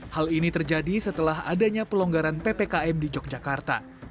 hal ini terjadi setelah adanya pelonggaran ppkm di yogyakarta